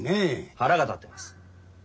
腹が立ってます。